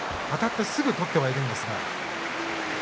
あたってすぐ取ってはいるんですが。